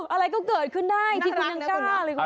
อะไรก็เกิดขึ้นได้ที่คุณกล้า